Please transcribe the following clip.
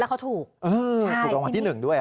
แล้วเขาถูกถูกออกมาที่หนึ่งด้วย